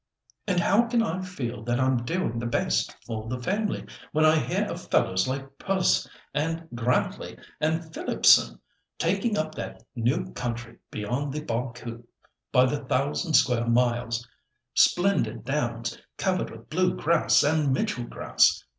And how can I feel that I'm doing the best for the family, when I hear of fellows like Persse, and Grantley, and Philipson taking up that new country beyond the Barcoo by the thousand square miles; splendid downs covered with blue grass and Mitchell grass?